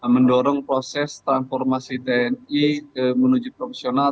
mendorong proses transformasi tni menuju profesional